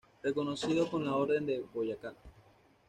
Reconocido con la Orden de Boyacá.